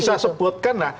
dan harus tengahin